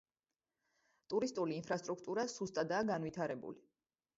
ტურისტული ინფრასტრუქტურა სუსტადაა განვითარებული.